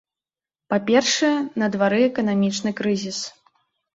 Па-першае, на двары эканамічны крызіс.